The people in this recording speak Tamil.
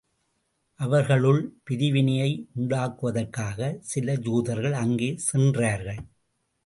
அவர்களுக்குள் பிரிவினையை உண்டாக்குவதற்காக, சில யூதர்கள் அங்கே சென்றார்கள்.